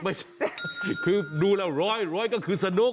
ไม่ใช่คือดูแล้วร้อยร้อยก็คือสนุก